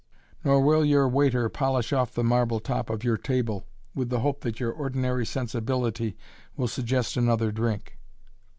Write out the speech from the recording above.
Nor will your waiter polish off the marble top of your table, with the hope that your ordinary sensibility will suggest another drink.